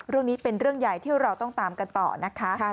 เรื่องนี้เป็นเรื่องใหญ่ที่เราต้องตามกันต่อนะคะ